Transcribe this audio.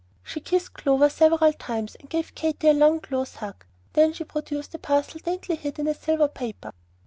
She kissed Clover several times, and gave Katy a long, close hug; then she produced a parcel daintily hid in silver paper.